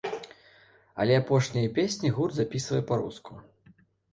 Але апошнія песні гурт запісвае па-руску.